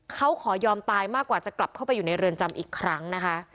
เขาขอยอมตายมากกว่าจะกลับเข้าไปอยู่ในเรือนจำอีกครั้งนะคะ